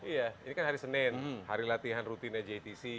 iya ini kan hari senin hari latihan rutinnya jtc